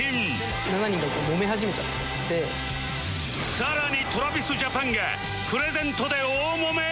更に ＴｒａｖｉｓＪａｐａｎ がプレゼントで大もめ？